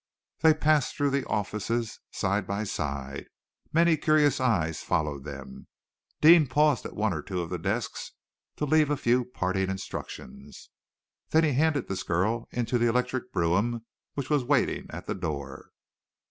They passed through the offices side by side. Many curious eyes followed them. Deane paused at one or two of the desks to leave a few parting instructions. Then he handed the girl into the electric brougham which was waiting at the door.